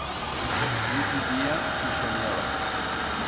Nit i día i soniaba.